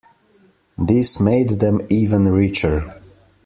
This made them even richer.